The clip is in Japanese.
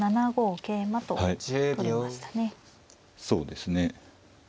そうですね